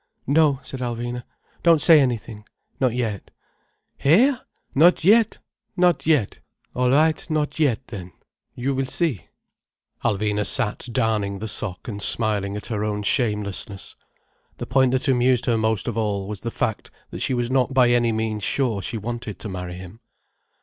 "No," said Alvina. "Don't say anything—not yet." "Hé? Not yet? Not yet. All right, not yet then. You will see—" Alvina sat darning the sock and smiling at her own shamelessness. The point that amused her most of all was the fact that she was not by any means sure she wanted to marry him.